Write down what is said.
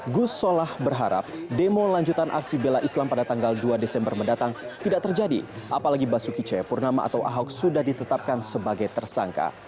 gus solah berharap demo lanjutan aksi bela islam pada tanggal dua desember mendatang tidak terjadi apalagi basuki cahayapurnama atau ahok sudah ditetapkan sebagai tersangka